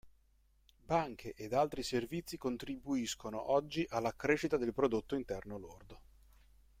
Banche ed altri servizi contribuiscono oggi alla crescita del prodotto interno lordo.